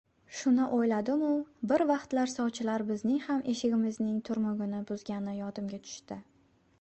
Shuni o‘yladimu bir vaqtlar sovchilar bizning ham eshigimizning «turmugini buzgani» yodimga tushdi.